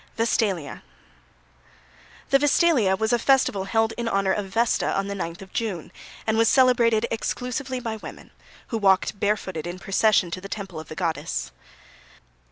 VESTALIA. The Vestalia was a festival held in honour of Vesta on the 9th of June, and was celebrated exclusively by women, who walked barefooted in procession to the temple of the goddess.